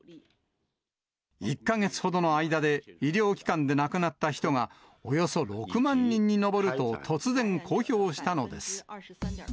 １か月ほどの間で、医療機関で亡くなった人がおよそ６万人に上ると突然、公表したのです。